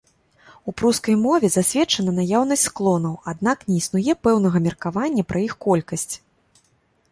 У прускай мове засведчана наяўнасць склонаў, аднак не існуе пэўнага меркавання пра іх колькасць.